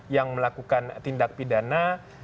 yang melakukan tindak pidana